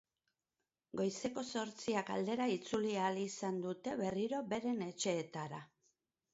Goizeko zortziak aldera itzuli ahal izan dute berriro beren etxeetara.